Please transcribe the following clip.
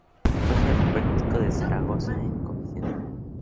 Fue Jefe Político de Zaragoza en comisión.